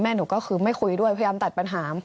หนูก็คือไม่คุยด้วยพยายามตัดปัญหา